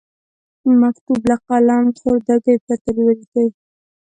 مکتوب له قلم خوردګۍ پرته ولیکئ.